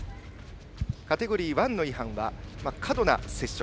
カテゴリー１の違反は過度な接触。